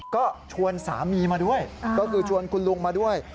ก็ชวนสามีมาด้วยก็คือชวนคุณลุงมาด้วย